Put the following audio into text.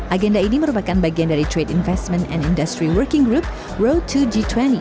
agenda ini merupakan bagian dari trade investment and industry working group world dua g dua puluh